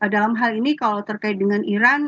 dalam hal ini kalau terkait dengan iran